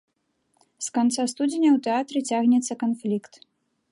З канца студзеня ў тэатры цягнецца канфлікт.